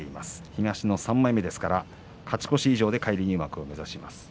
東の３枚目ですから勝ち越し以上で返り入幕を目指します。